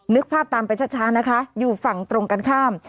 นึกภาพตามไปช้านะคะอยู่ฝั่งตรงกันข้าม